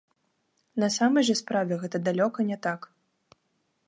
На самай жа справе гэта далёка не так.